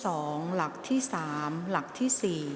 ออกรางวัลเลขหน้า๓ตัวครั้งที่๒